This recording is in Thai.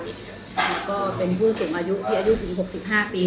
แล้วก็เป็นผู้สูงอายุที่อายุถึง๖๕ปี